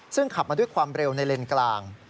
ซึ่งขับมาด้วยความเร็วในเลนกลาง